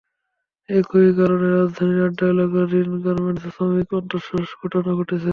একই কারণে রাজধানীর বাড্ডা এলাকার রিন গার্মেন্টসেও শ্রমিক অসন্তোষের ঘটনা ঘটেছে।